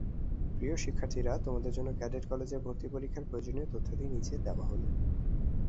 প্রিয় শিক্ষার্থীরা, তোমাদের জন্য ক্যাডেট কলেজের ভর্তি পরীক্ষার প্রয়োজনীয় তথ্যাদি নিচে দেওয়া হলো।